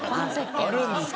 あるんですか？